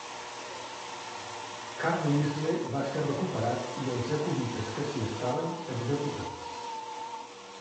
Carlisle va ser recuperat i els jacobites que s'hi estaven, executats.